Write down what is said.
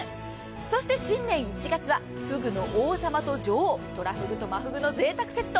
そして新年１月はふぐの王様と女王とらふぐと真ふぐのぜいたくセット。